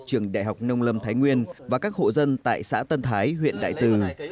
trường đại học nông lâm thái nguyên và các hộ dân tại xã tân thái huyện đại từ